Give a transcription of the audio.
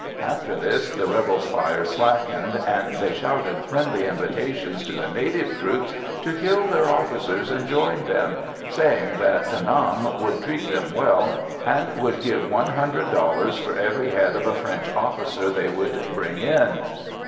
After this the rebels' fire slackened, and they shouted friendly invitations to the native troops to kill their officers and join them, saying that De Nam would treat them well, and give one hundred dollars for every head of a French officer they would bring in.